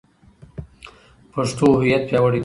پښتو هویت پیاوړی کوي.